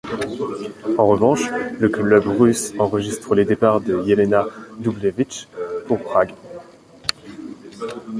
En revanche, le club russe enregistre les départs de Jelena Dubljević pour Prague.